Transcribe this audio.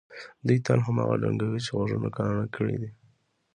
دوی تل هماغه ډنګوي چې غوږونه کاڼه کړي دي.